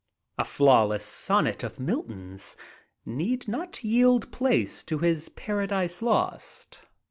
A flawless son net of Milton's need not yield place to his "Paradise Lost."